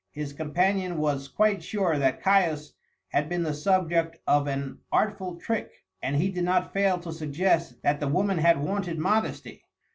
His companion was quite sure that Caius had been the subject of an artful trick, and he did not fail to suggest that the woman had wanted modesty.